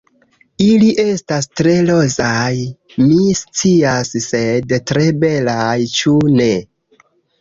Ili estas tre rozaj, mi scias sed tre belaj, ĉu ne?